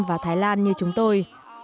và thái lan như chúng tôi